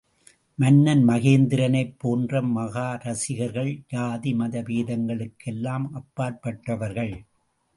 மன்னன் மகேந்திரனைப் போன்ற மகா ரஸிகர்கள், ஜாதி மதபேதங்களுக் கெல்லாம் அப்பாற்பட்டவர்கள்.